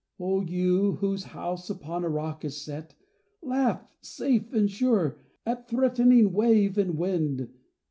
O you, whose house upon a rock is set, Laugh, safe and sure, at threatening wave and wind.